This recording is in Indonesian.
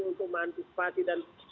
untuk meantisipasi dan